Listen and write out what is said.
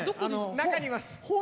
中にいます。